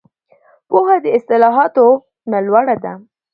پوهه د اصطلاحاتو نه لوړه ده.